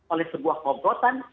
oleh sebuah kobrotan